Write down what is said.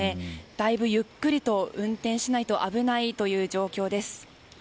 だいぶゆっくりと運転しないと危ない状況です。